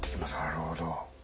なるほど。